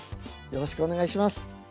よろしくお願いします。